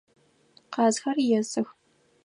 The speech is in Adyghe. Къазхэр есых.